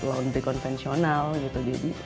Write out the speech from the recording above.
laundry konvensional gitu jadi